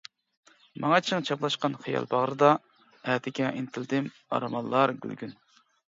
ماڭا چىڭ چاپلاشقان خىيال باغرىدا، ئەتىگە ئىنتىلدىم ئارمانلار گۈلگۈن.